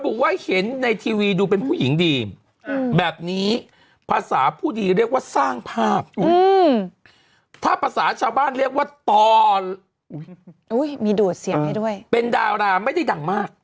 แม่ผือประสาทผู้ดีเราจะนะว่าสร้างภาพเอ่ยถ้าภาษาชาบ้านเรียกว่าต่อเห้ยอุ๊ยมีดู่ดเสียงให้ด้วยเป็นดาราไม่ได้ดังมาก